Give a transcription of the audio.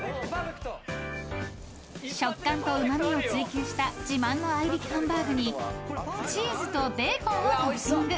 ［食感とうま味を追求した自慢の合いびきハンバーグにチーズとベーコンをトッピング］